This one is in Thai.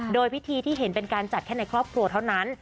โดยพิธีที่เห็นเป็นการจัดแค่ในครอบครัวเท่านั้น